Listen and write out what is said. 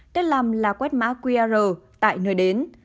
tết làm là quét mã qr tại nơi đến